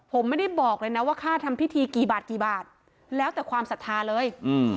ผมไม่ได้บอกเลยนะว่าค่าทำพิธีกี่บาทกี่บาทแล้วแต่ความศรัทธาเลยอืม